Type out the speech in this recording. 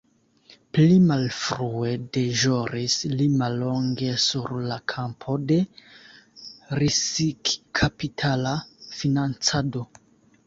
Pli malfrue deĵoris li mallonge sur la kampo de risikkapitala financado.